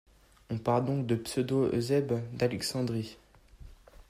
On parle donc de Pseudo-Eusèbe d'Alexandrie.